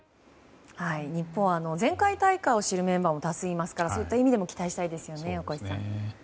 日本は前回大会を知るメンバーも多数いますからそういった意味でも期待したいですよね、大越さん。